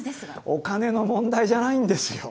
お金の問題じゃないんですよ。